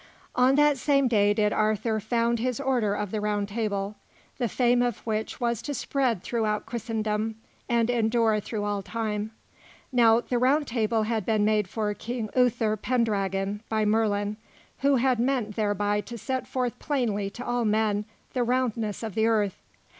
On that same day did Arthur found his Order of the Round Table, the fame of which was to spread throughout Christendom and endure through all time. Now the Round Table had been made for King Uther Pendragon by Merlin, who had meant thereby to set forth plainly to all men the roundness of the earth.